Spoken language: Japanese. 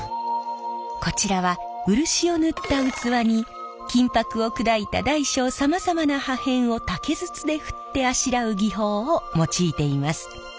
こちらは漆を塗った器に金箔を砕いた大小さまざまな破片を竹筒で振ってあしらう技法を用いています。